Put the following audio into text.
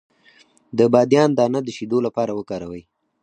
د بادیان دانه د شیدو لپاره وکاروئ